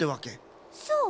そう。